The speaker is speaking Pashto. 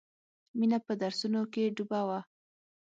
مینه په درسونو کې ډوبه وه